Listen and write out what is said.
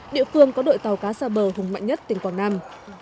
địa phương có đội tàu cá xa bờ hùng mạnh nhất tỉnh quảng nam